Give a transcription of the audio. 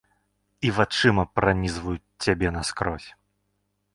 І вачыма пранізваюць цябе наскрозь.